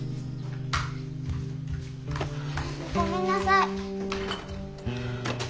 ごめんなさい。